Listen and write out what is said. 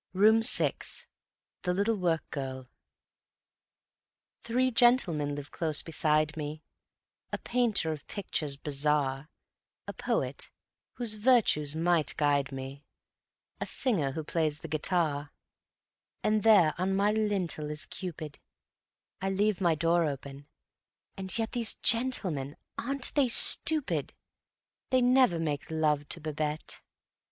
_ Room 6: The Little Workgirl Three gentlemen live close beside me A painter of pictures bizarre, A poet whose virtues might guide me, A singer who plays the guitar; And there on my lintel is Cupid; I leave my door open, and yet These gentlemen, aren't they stupid! They never make love to Babette.